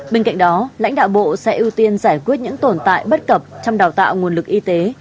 bên cạnh đó lãnh đạo bộ sẽ ưu tiên giải quyết những tồn tại bất cập trong đào tạo nguồn lực y tế